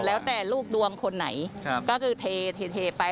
แล้วแต่ลูกดวงคนไหนก็คือเทไป